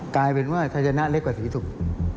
กลายเป็นว่าไทยชนะเล็กกว่าศรีศุกร์